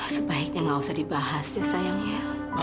sebaiknya gak usah dibahas ya sayang ya